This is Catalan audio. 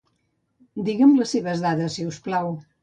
Diguem les seves dades, si us plau.